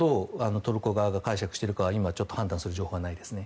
トルコ側が解釈しているかは判断する情報がないですね。